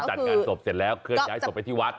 จัดงานศพเสร็จแล้วเคลื่อนย้ายศพไปที่วัด